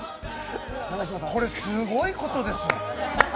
これ、すごいことですよ。